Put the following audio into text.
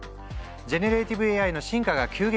ジェネレーティブＡＩの進化が急激に進み